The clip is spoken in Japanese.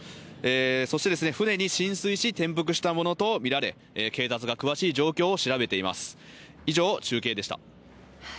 そして、舟に浸水し転覆したものとみられ警察が詳しい状況を調べています。